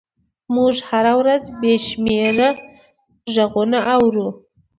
موږ هره ورځ بې شمېره غږونه اورو.